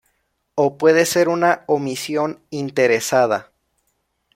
o puede ser una omisión interesada